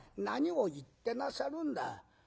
何を言ってなさるんだ。